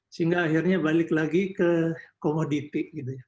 sehingga akhirnya balik lagi ke komoditi